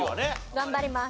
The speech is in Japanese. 頑張ります。